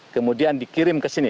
kemudian dikirim ke sini